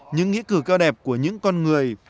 những nghĩa cử cao đẹp của những con người